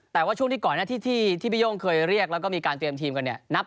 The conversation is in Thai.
แต่ว่าช่วงที่ก่อนที่พี่โย่งเคยเรียกแล้วก็มีการเตรียมทีมกัน